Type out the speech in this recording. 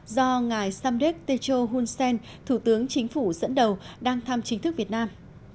do ngài samdek techo hunsen thủ tướng chính phủ dẫn đầu đang thăm chính thức việt nam